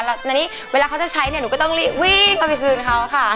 แล้วตอนนี้เวลาเขาจะใช้เนี่ยหนูก็ต้องรีบวิ่งเอาไปคืนเขาค่ะ